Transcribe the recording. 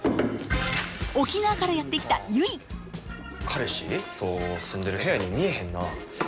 沖縄からやって来た彼氏と住んでる部屋に見えへんな。